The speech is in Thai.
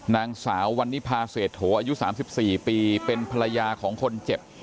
นางสาววันนิพาเศรษฐโถอายุ๓๔ปีเป็นภรรยาของคนเจ็บ